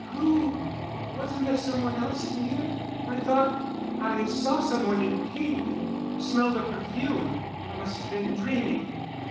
Who—? Wasn't there some one else in here? I thought—I saw some one in pink—and smelled a perfume. I must have been dreaming."